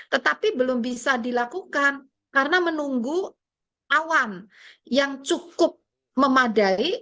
tetapi belum bisa dilakukan karena menunggu awan yang cukup memadai